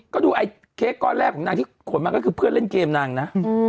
ก็ดูไอ้เค้กก้อนแรกของนางที่ขนมาก็คือเพื่อนเล่นเกมนางนะ